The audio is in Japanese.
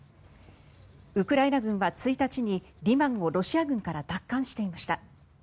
ウクライナ軍は１日にリマンをロシア軍から奪還していました。